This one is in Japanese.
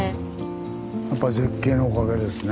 やっぱり絶景のおかげですね。